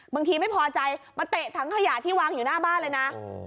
บางทีไม่พอใจมาเตะถังขยะที่วางอยู่หน้าบ้านเลยนะ